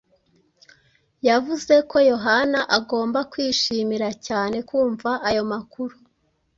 Yavuze ko Yohana agomba kwishimira cyane kumva ayo makuru.